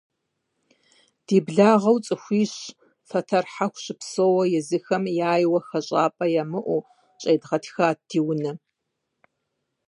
Ди благъэу цӀыхуищ, фэтэр хьэху щыпсэууэ, езыхэм яйуэ хэщӀапӀэ ямыӀэу, щедгъэтхат ди унэм.